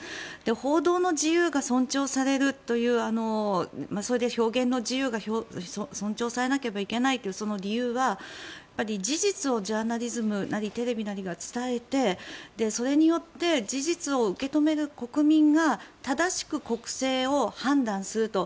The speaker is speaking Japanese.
報道の自由が尊重されるというそれで表現の自由が尊重されなければいけないというその理由は事実をジャーナリズムなりテレビなりが伝えてそれによって事実を受け止める国民が正しく国政を判断すると。